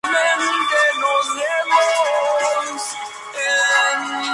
Tanto Lama como la cadena pidieron disculpas y explicaron que había sido un malentendido.